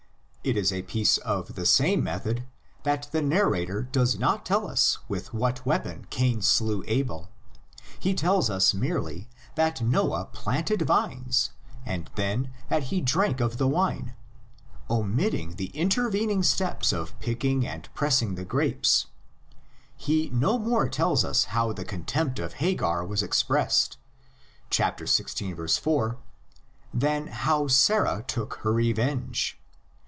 It is a piece of the same method that the narrator does not tell us with what weapon Cain slew Abel; he tells us merely that Noah planted vines and then that he 68 THE LEGENDS OF GENESIS. drank of the wine, omitting the intervening steps of picking and pressing the grapes; he no more tells us how the contempt of Hagar was expressed (xvi. 4) than how Sarah took her revenge.